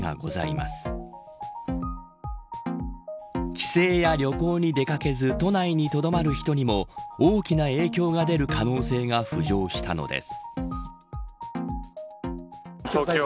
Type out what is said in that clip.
帰省や旅行に出掛けず都内にとどまる人にも大きな影響が出る可能性が浮上したのです。